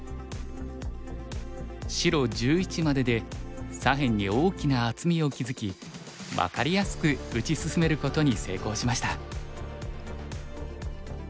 白１１までで左辺に大きな厚みを築き分かりやすく打ち進めることに成功しました。